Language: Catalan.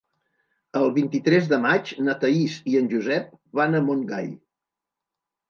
El vint-i-tres de maig na Thaís i en Josep van a Montgai.